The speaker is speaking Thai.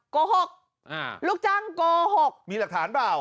โกหกลูกจ้างโกหกมีหลักฐานเปล่า